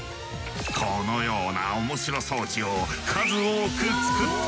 このようなオモシロ装置を数多く作っている！